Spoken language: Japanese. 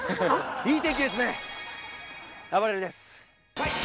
いい天気ですね！